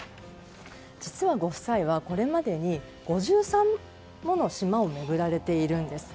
実はご夫妻はこれまでに５３もの島を巡られているんでです。